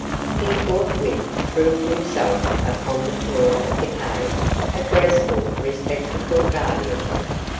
He forthwith threw himself upon the floor of the cave, a graceful, respectful guardian.